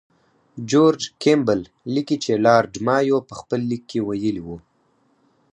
جورج کیمبل لیکي چې لارډ مایو په خپل لیک کې ویلي وو.